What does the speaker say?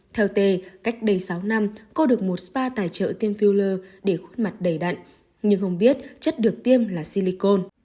theo t cách đây sáu năm cô được một spa tài trợ tiêm filler để khuất mặt đầy đặn nhưng không biết chất được tiêm là silicone